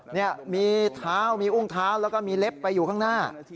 นี่มีเท้ามีอุ้งเท้าแล้วก็มีเล็บไปอยู่ข้างหน้า